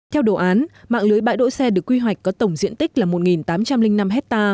theo đồ án mạng lưới bãi đỗ xe được quy hoạch có tổng diện tích là một tám trăm linh năm hectare